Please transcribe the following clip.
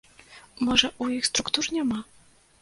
Можа, у іх структур няма?